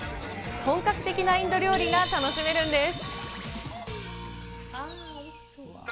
本格的なインド料理が楽しめるんです。